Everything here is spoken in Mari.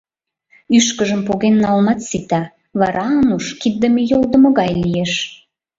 — Ӱшкыжым поген налмат сита, вара Ануш киддыме-йолдымо гай лиеш.